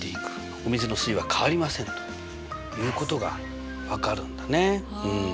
お水の水位は変わりませんということが分かるんだね。